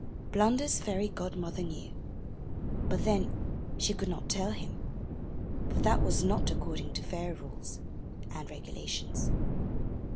Blunder's fairy godmother knew, but then she could not tell him, for that was not according to fairy rules and regulations.